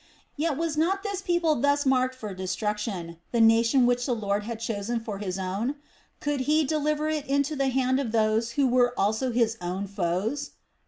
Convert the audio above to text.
Yet was not this people thus marked for destruction, the nation which the Lord had chosen for His own? Could He deliver it into the hand of those who were also His own foes?